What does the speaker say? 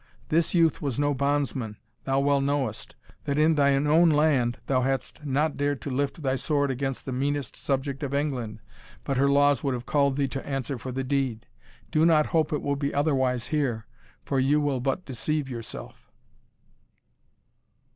This youth was no bondsman thou well knowest, that in thine own land thou hadst not dared to lift thy sword against the meanest subject of England, but her laws would have called thee to answer for the deed. Do not hope it will be otherwise here, for you will but deceive yourself."